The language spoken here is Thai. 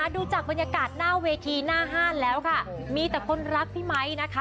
ดูจากบรรยากาศหน้าเวทีหน้าห้านแล้วค่ะมีแต่คนรักพี่ไมค์นะคะ